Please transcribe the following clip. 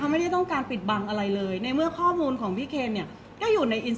เพราะว่าสิ่งเหล่านี้มันเป็นสิ่งที่ไม่มีพยาน